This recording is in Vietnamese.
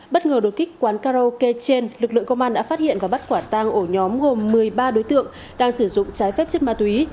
bất ngờ đột kích quán karaoke trên lực lượng công an đã phát hiện và bắt quả tang ổ nhóm gồm một mươi ba đối tượng đang sử dụng trái phép chất ma túy